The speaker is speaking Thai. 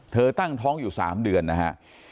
ตั้งท้องอยู่๓เดือนนะฮะ